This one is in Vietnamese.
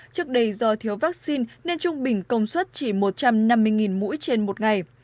trước đây do thiếu vaccine nên trung bình công suất chỉ một trăm năm mươi mũi trên một ngày